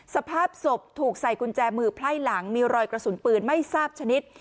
สภาพศพถูกใส่กุญแจมือไพ่หลังมีรอยกระสุนปืนไม่ทราบชนิด